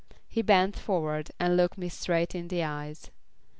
He bent forward and looked me straight in the eyes.